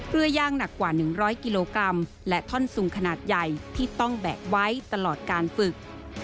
เพื่อย่างหนักกว่า๑๐๐กิโลกรัมและท่อนซุงขนาดใหญ่ที่ต้องแบะไว้ตลอดการฝึก